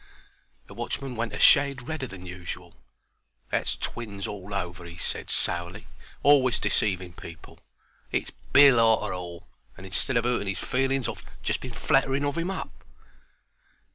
The watchman went a shade redder than usual. That's twins all over, he said, sourly, always deceiving people. It's Bill arter all, and, instead of hurting 'is feelings, I've just been flattering of 'im up.